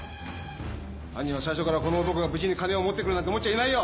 犯人は最初からこの男が無事に金を持ってくるなんて思っちゃいないよ！